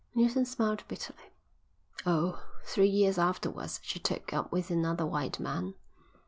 Neilson smiled bitterly. "Oh, three years afterwards she took up with another white man."